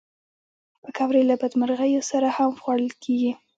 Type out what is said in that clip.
پکورې له بدمرغیو سره هم خوړل کېږي